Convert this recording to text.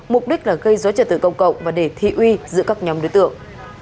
mục đích là gây dối trật tự công cộng và để thị uy giữa các nhóm đối tượng